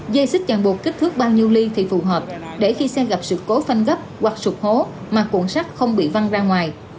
dây xích chẳng bột kích thước bao nhiêu ly thì phù hợp để khi xem gặp sự cố phanh gấp hoặc sụp hố mà cuộn sắt không bị văng ra ngoài